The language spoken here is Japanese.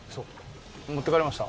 持ってかれました？